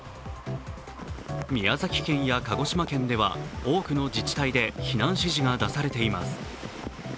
宮崎県や鹿児島県では、多くの自治体で避難指示が出されています。